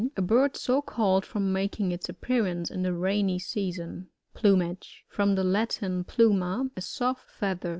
A bird so called, from making its appearance in the rainy season. Plumaqb. — From the Latin, pluma, a soft feather.